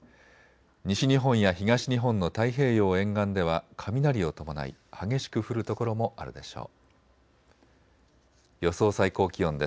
西日本や東日本の太平洋沿岸では雷を伴い激しく降る所もあるでしょう。